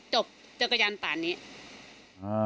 จบจนกระยันต่างนี้